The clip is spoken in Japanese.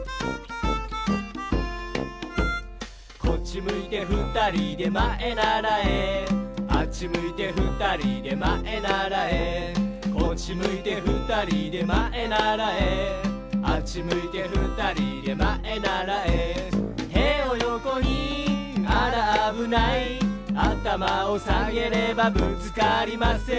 「こっちむいてふたりでまえならえ」「あっちむいてふたりでまえならえ」「こっちむいてふたりでまえならえ」「あっちむいてふたりでまえならえ」「てをよこにあらあぶない」「あたまをさげればぶつかりません」